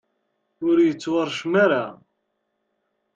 ur yettwaṛcem ara.